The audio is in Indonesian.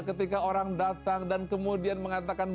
ketika orang datang dan kemudian mengatakan